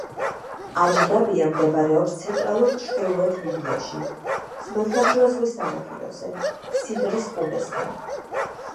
აჯდაბია მდებარეობს ცენტრალურ ჩრდილოეთ ლიბიაში, ხმელთაშუა ზღვის სანაპიროზე, სიდრის ყურესთან.